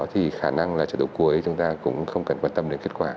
thì khả năng là trận đấu cuối chúng ta cũng không cần quan tâm đến kết quả